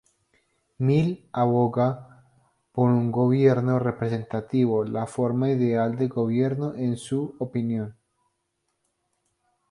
Mill aboga por un gobierno representativo, la forma ideal de gobierno en su opinión.